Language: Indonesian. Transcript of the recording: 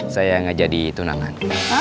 saya ngajak di tunangan